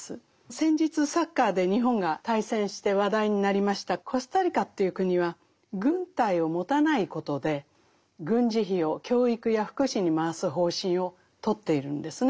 先日サッカーで日本が対戦して話題になりましたコスタリカという国は軍隊を持たないことで軍事費を教育や福祉に回す方針をとっているんですね。